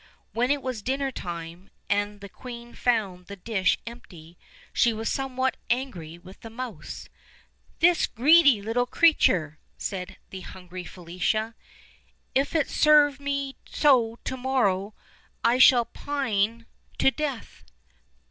When it was dinner time, and the queen found the dish empty, she waa somewhat angry with the mouse. "The greedy little creatrue!" said the hungry Felicia; "if it serve me so to morrow I shall pine OLD, OLD FAIRY TALES. 229 to death."